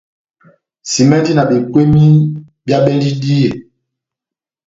Simɛndi na bekweni bia bendi díyɛ.